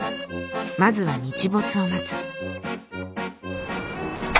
まずは日没を待つ。